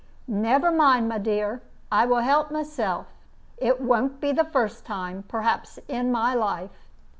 "Never mind, my dear. I will help myself. It won't be the first time, perhaps, in my life."